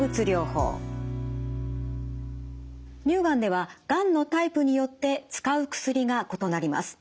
乳がんではがんのタイプによって使う薬が異なります。